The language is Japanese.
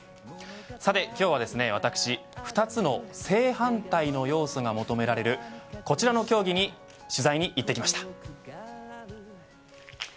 さて今日は私、２つの正反対の要素が求められるこちらの競技に取材に行ってきました。